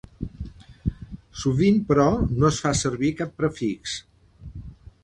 Sovint, però, no es fa servir cap prefix.